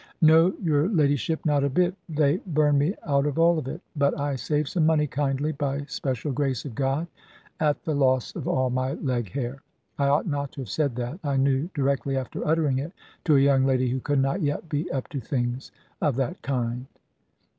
"No, your ladyship, not a bit. They burned me out of all of it. But I saved some money kindly, by special grace of God, at the loss of all my leg hair." I ought not to have said that, I knew, directly after uttering it, to a young lady who could not yet be up to things of that kind.